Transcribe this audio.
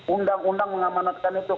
undang undang mengamanatkan itu